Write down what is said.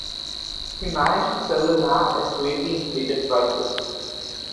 He managed to sell the land at greatly inflated prices.